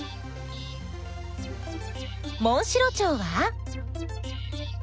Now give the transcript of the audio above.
モンシロチョウは？